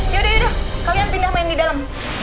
yaudah yaudah kalian pindah main di dalam